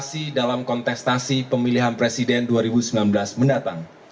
sebelum menutupi perjalanan kita